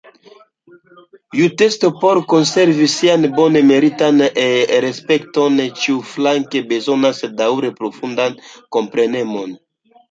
Justeco, por konservi sian bone meritan respekton, ĉiuflanke bezonas daŭre profundan komprenemon.